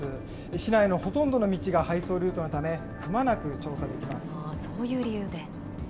市内のほとんどの道が配送ルートそういう理由で。